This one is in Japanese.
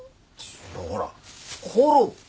ほらコロッケ！